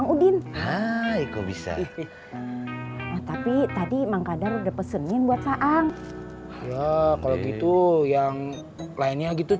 udin hai kok bisa tapi tadi mang kadar udah pesenin buat faang kalau gitu yang lainnya gitu